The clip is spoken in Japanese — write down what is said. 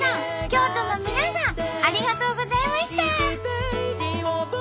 京都の皆さんありがとうございました。